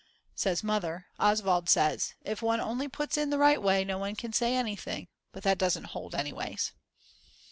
says Mother. Oswald says: If one only puts it in the right way no one can say anything. But that doesn't hold always.